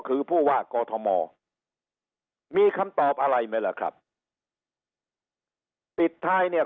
คือผู้ว่ากอทมมีคำตอบอะไรไหมล่ะครับปิดท้ายเนี่ย